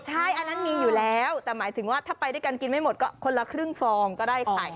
ใช่อันนั้นมีอยู่แล้วแต่หมายถึงว่าถ้าไปด้วยกันกินไม่หมดก็คนละครึ่งฟองก็ได้ไข่